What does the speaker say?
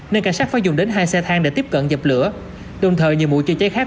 nên cảnh sát phải dùng đến hai xe thang để tiếp cận dập lửa đồng thời nhiều mũi chữa cháy khác